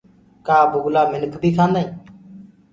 ڪآ بُگلآ منک بي کآندآ هين؟